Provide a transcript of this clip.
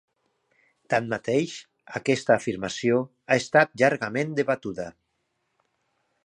Tanmateix, aquesta afirmació ha estat llargament debatuda.